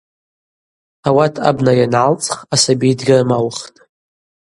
Ауат абна йангӏалцӏх асаби дгьырмаухтӏ.